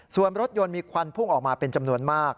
ส่วนรถยนต์มีควันพุ่งออกมาเป็นจำนวนมาก